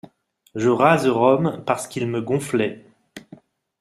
Je rase Rome parce qu'ils me gonflaient.